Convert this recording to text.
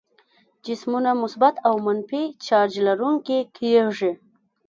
جسمونه مثبت او منفي چارج لرونکي کیږي.